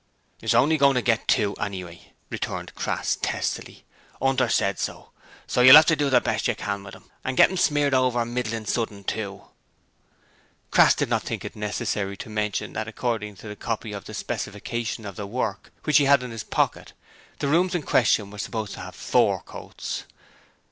'It's only goin' to get two, anyway,' returned Crass, testily. ''Unter said so, so you'll 'ave to do the best you can with 'em, and get 'em smeared over middlin' sudden, too.' Crass did not think it necessary to mention that according to the copy of the specification of the work which he had in his pocket the rooms in question were supposed to have four coats.